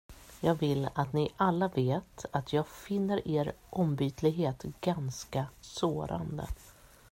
Jag vill att ni alla vet att jag finner er ombytlighet ganska sårande.